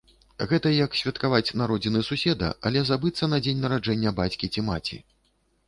Гэта як святкаваць народзіны суседа, але забыцца на дзень нараджэння бацькі ці маці.